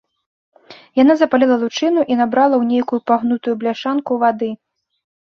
Яна запаліла лучыну і набрала ў нейкую пагнутую бляшанку вады.